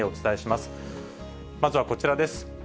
まずはこちらです。